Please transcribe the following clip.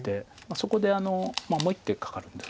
そこでもう１手かかるんです。